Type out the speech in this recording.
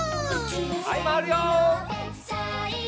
はいまわるよ。